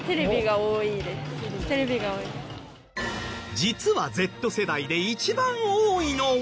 実はＺ世代で一番多いのは。